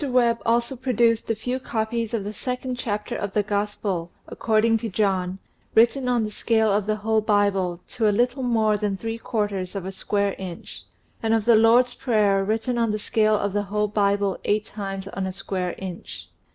Webb also produced a few copies of the second chapter of the Gospel, according to St. John, written on the scale of the whole Bible, to a little more than three quarters of a square inch, and of the Lord's Prayer written on the scale of the whole Bible eight times on a square inch.